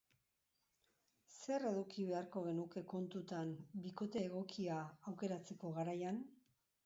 Zer eduki beharko genuke kontutan bikote egokia aukeratzeko garaian?